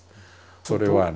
それはね